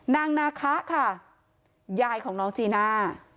นางนาคะค่ะยายของน้องจีน่า